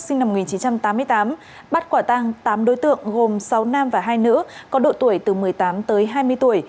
sinh năm một nghìn chín trăm tám mươi tám bắt quả tăng tám đối tượng gồm sáu nam và hai nữ có độ tuổi từ một mươi tám tới hai mươi tuổi